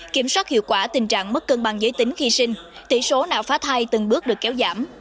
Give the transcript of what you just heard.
kiểm soát hiệu quả tình trạng mất cân bằng giới tính khi sinh tỷ số nào phá thai từng bước được kéo giảm